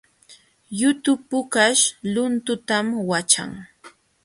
Yutu pukaśh luntutam waćhan